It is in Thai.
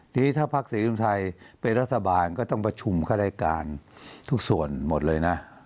ทีนี้ถ้าภาคศิริยุทธัยไปรัฐบาลก็ต้องประชุมค่าได้การทุกส่วนหมดเลยนะ